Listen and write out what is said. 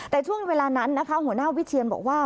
แต่ช่วงเวลานั้นนะคะหัวหน้าวิเชียนบอกว่า